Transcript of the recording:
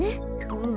うん。